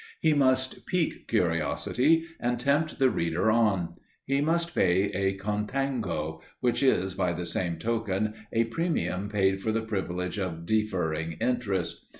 He must pique curiosity and tempt the reader on; he must pay a contango, which is, by the same token, a premium paid for the privilege of deferring interest.